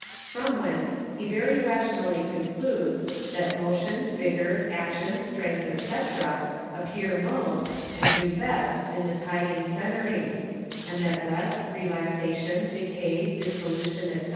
From whence he very rationally concludes, that Motion, Vigour, Action, Strength, &c. appear most, and do best in the Tiding Senaries; and that Rest, Relaxation, Decay, Dissolution, _&c.